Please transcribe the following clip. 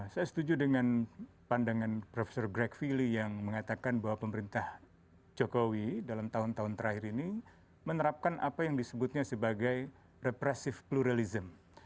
saya setuju dengan pandangan prof greg fili yang mengatakan bahwa pemerintah jokowi dalam tahun tahun terakhir ini menerapkan apa yang disebutnya sebagai repressive pluralism